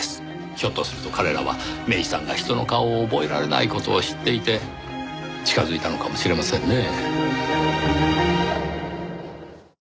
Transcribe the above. ひょっとすると彼らは芽依さんが人の顔を覚えられない事を知っていて近づいたのかもしれませんねぇ。